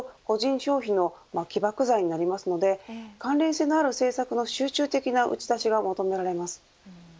消費の起爆剤になるので関連性のある政策の集中的な打ち出しが求められます。